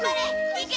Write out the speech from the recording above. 行け！